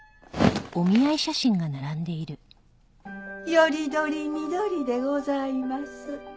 より取り見取りでございます。